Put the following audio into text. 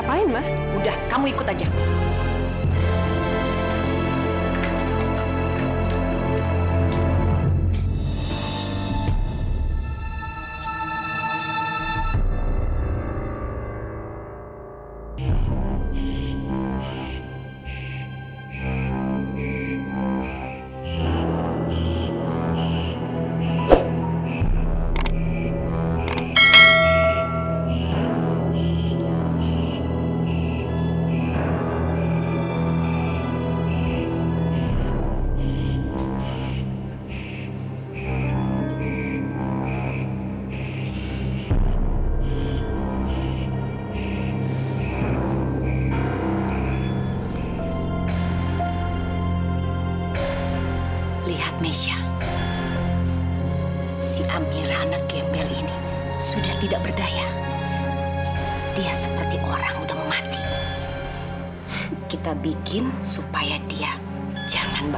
sampai jumpa di video selanjutnya